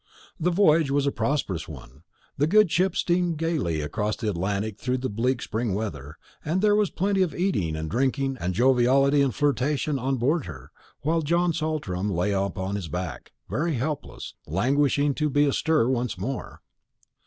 The voyage was a prosperous one. The good ship steamed gaily across the Atlantic through the bleak spring weather; and there was plenty of eating and drinking, and joviality and flirtation on board her, while John Saltram lay upon his back, very helpless, languishing to be astir once more.